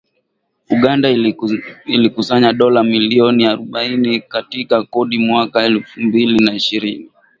Uganda ilikusanya dola milioni arobaini katika kodi mwaka elfu mbili na ishirini